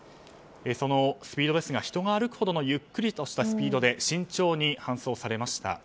そのスピードですが人が歩くほどのゆっくりとしたスピードで慎重に搬送されました。